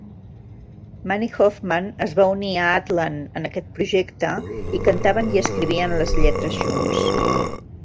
Mani Hoffman es va unir a Atlan en aquest projecte i cantaven i escrivien les lletres junts.